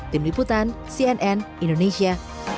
tim liputan cnn indonesia